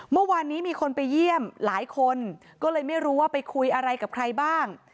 เมื่อวานนี้มีคนไปเยี่ยมหลายคนก็เลยไม่รู้ว่าไปคุยอะไรกับใครบ้าง